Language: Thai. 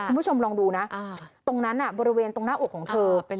คุณผู้ชมลองดูนะตรงนั้นบริเวณตรงหน้าอกของเธอเป็น